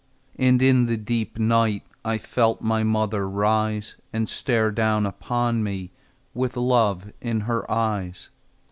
And in the deep night I felt my mother rise, And stare down upon me With love in her eyes.